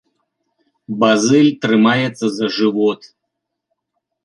Базыль трымаецца за жывот.